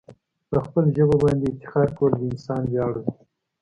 په خپل ژبه باندي افتخار کول د انسان ویاړ دی.